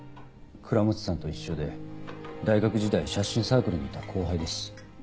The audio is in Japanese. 倉持さんと一緒で大学時代写真サークルにいた後輩です。